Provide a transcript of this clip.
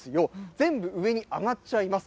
全部上に上がっちゃいます。